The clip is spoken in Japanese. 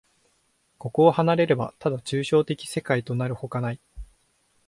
これを離れれば、ただ抽象的世界となるのほかない。